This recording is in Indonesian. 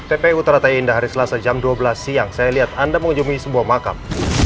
tpu teratai indah hari selasa jam dua belas siang saya lihat anda mengunjungi sebuah makam